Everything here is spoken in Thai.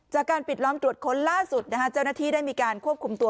จากการปิดล้อมตรวจค้นล่าสุดเจ้าหน้าที่ได้มีการควบคุมตัว